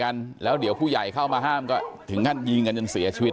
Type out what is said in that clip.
กันแล้วเดี๋ยวผู้ใหญ่เข้ามาห้ามก็ถึงขั้นยิงกันจนเสียชีวิต